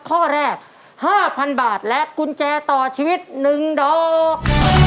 ข้อแรก๕๐๐๐บาทและกุญแจต่อชีวิต๑ดอก